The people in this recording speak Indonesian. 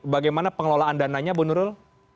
bagaimana pengelolaan dananya bu nurul